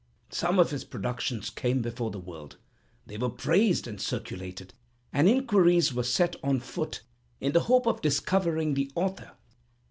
Some of his productions came before the world. They were praised and circulated, and inquiries were set on foot in the hope of discovering the author.